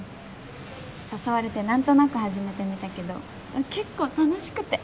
誘われてなんとなく始めてみたけど結構楽しくて。